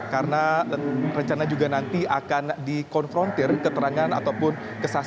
karena rencana juga nanti akan dikonfrontir keterangan ataupun kesahsiaan